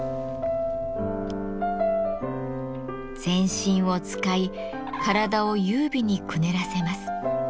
全身を使い体を優美にくねらせます。